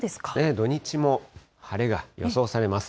土日も晴れが予想されます。